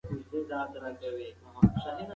موږ به په راتلونکي کې ښه ټولنه ولرو.